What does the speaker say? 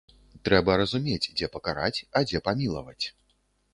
Трэба разумець, дзе пакараць, а дзе памілаваць.